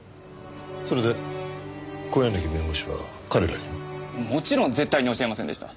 それで小柳弁護士は彼らには？もちろん絶対に教えませんでした。